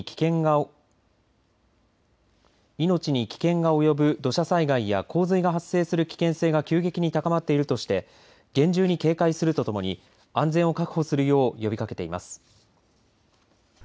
命に危険が及ぶ土砂災害や洪水が発生する危険性が急激に高まっているとして厳重に警戒するとともに安全を確保するよう呼びかけています。